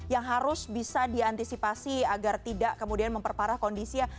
yang harus bisa diantisipasi agar tidak kemudian memperparah kondisi ya